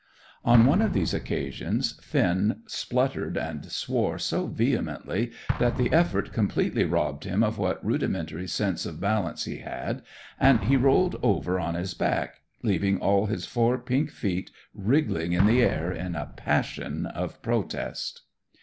On one of these occasions, Finn spluttered and swore so vehemently that the effort completely robbed him of what rudimentary sense of balance he had, and he rolled over on his back, leaving all his four pink feet wriggling in the air in a passion of protest.